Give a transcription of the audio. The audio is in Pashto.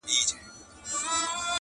پښتونخوا له درانه خوبه را پاڅیږي-